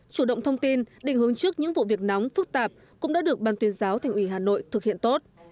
chủ động thông tin định hướng trước những vụ việc nóng phức tạp cũng đã được ban tuyên giáo thành ủy hà nội thực hiện tốt